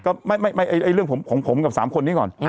ก็ไม่เรื่องของผมกับ๓คนนี้ก่อน